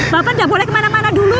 bapak gak boleh ke mana mana dulu